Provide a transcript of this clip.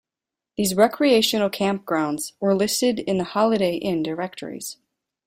These recreational campgrounds were listed in the Holiday Inn directories.